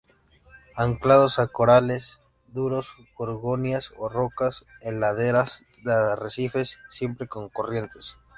Anclados a corales duros, gorgonias o rocas, en laderas de arrecifes, siempre con corrientes.